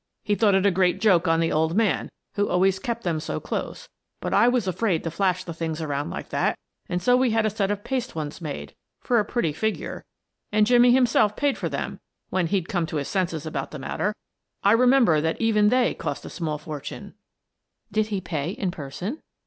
He thought it a great joke on the old man, who always kept them so close, but I was afraid to flash the things around like that, and so we had a set of paste ones made, for a pretty figure — and Jimmie himself paid for them, when he'd come to his senses about the matter. I remem ber that even they cost a small fortune." " Did he pay in person?